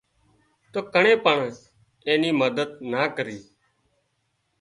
تو ڪڻين پڻ اين مدد نا ڪرِي